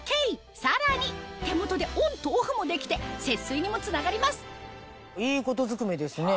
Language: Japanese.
さらに手元でオンとオフもできて節水にもつながりますいいことずくめですね。